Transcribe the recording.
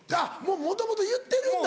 もともと言ってるんだ。